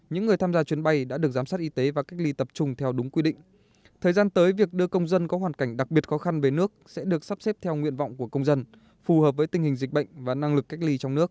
người ôm đau lao động hết hạn lập đặc biệt khó khăn khác